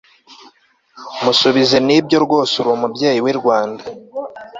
musubizenibyo rwose uri umubyeyi w'i rwanda